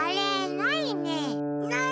ないね。